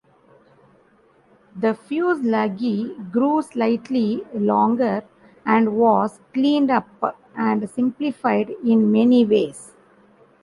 The fuselage grew slightly longer, and was cleaned up and simplified in many ways.